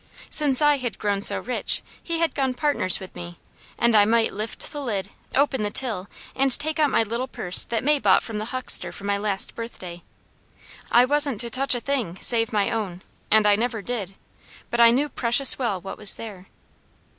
Since I had grown so rich, he had gone partners with me, and I might lift the lid, open the till and take out my little purse that May bought from the huckster for my last birthday. I wasn't to touch a thing, save my own, and I never did; but I knew precious well what was there.